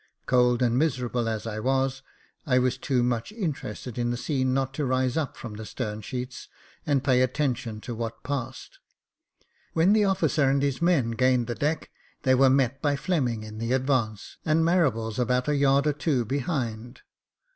Cold and miserable as I was, I was too much interested in the scene not to rise up from the stern sheets, and pay atten tion to what passed. When the officer and his men gained the deck, they were met by Fleming in the advance, and Marables about a yard or two behind.